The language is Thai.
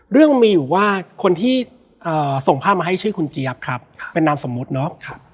เรื่องมีอยู่ว่าคนที่ส่งภาพมาให้ชื่อคุณเจี๊ยบครับเป็นนามสมมุติเนาะ